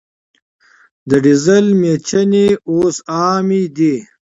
د ډیزل میچنې اوس عامې دي.